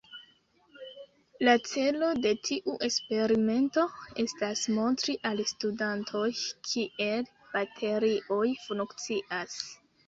La celo de tiu eksperimento estas montri al studantoj kiel baterioj funkcias.